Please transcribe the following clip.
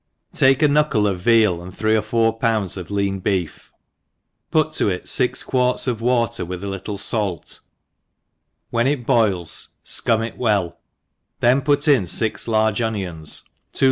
TAKE a knuckle of veal, and three or four pounds of lean beef, put tp it fix quarts of water with a little fait, when it boils fcum it well, then put in fix large onions, two.